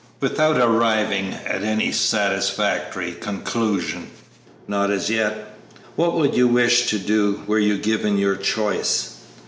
"Without arriving at any satisfactory conclusion?" "Not as yet." "What would you wish to do, were you given your choice?"